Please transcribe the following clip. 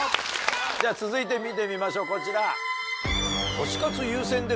じゃ続いて見てみましょうこちら。